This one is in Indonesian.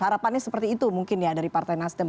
harapannya seperti itu mungkin ya dari partai nasdem